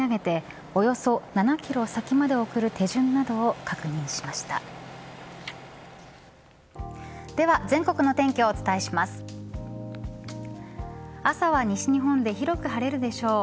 朝は西日本で広く晴れるでしょう。